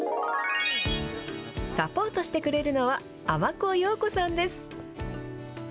サポートしてくれるのは、あまこようこさんです。